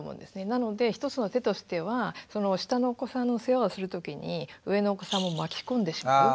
なので一つの手としては下のお子さんの世話をするときに上のお子さんも巻き込んでしまう。